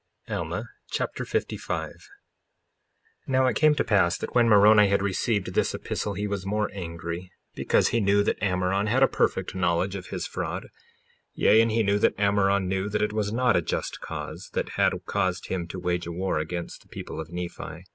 Alma Chapter 55 55:1 Now it came to pass that when Moroni had received this epistle he was more angry, because he knew that Ammoron had a perfect knowledge of his fraud; yea, he knew that Ammoron knew that it was not a just cause that had caused him to wage a war against the people of Nephi.